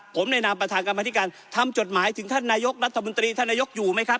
ผมในนามประธานกรรมธิการทำจดหมายถึงท่านนายกรัฐมนตรีท่านนายกอยู่ไหมครับ